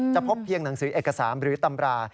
พบเพียงหนังสือเอกสารหรือตำรา